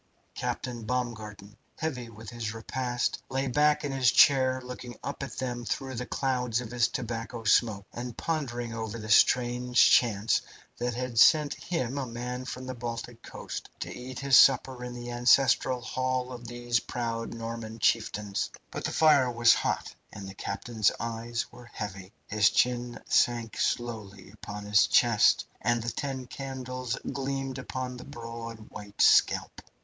Captain Baumgarten, heavy with his repast, lay back in his chair looking up at them through the clouds of his tobacco smoke, and pondering over the strange chance which had sent him, a man from the Baltic coast, to eat his supper in the ancestral hall of these proud Norman chieftains. But the fire was hot, and the captain's eyes were heavy. His chin sank slowly upon his chest, and the ten candles gleamed upon the broad, white scalp.